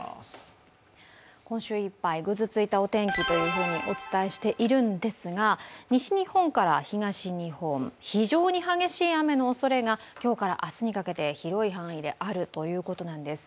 今週いっぱい、ぐずついたお天気とお伝えしているんですが、西日本から東日本、非常に激しい雨のおそれが今日から明日にかけて広い範囲であるということなんです。